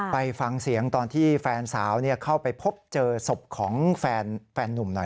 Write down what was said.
ไปฟังเสียงตอนที่แฟนสาวเข้าไปพบเจอศพของแฟนนุ่มหน่อย